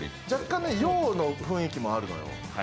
若干、洋の雰囲気もあるのよ。